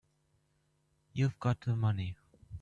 You've got the money.